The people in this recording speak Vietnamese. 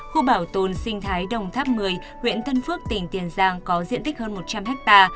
khu bảo tồn sinh thái đồng tháp một mươi huyện thân phước tỉnh tiền giang có diện tích hơn một trăm linh ha